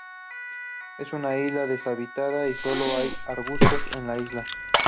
Es una isla deshabitada y solo hay arbustos en la isla.